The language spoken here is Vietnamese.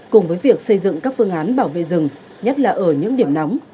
cùng với việc xây dựng các phương án bảo vệ rừng nhất là ở những điểm nóng